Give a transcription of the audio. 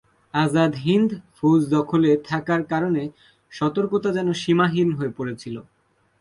আজাদ হিন্দ ফৌজ দখলে থাকার কারণে সতর্কতা যেন সীমাহীন হয়ে পড়েছিল।